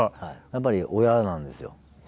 やっぱり親なんですよ。